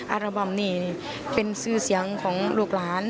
อาราบอมนี่เป็นชื่อเสียงของลูกหลาน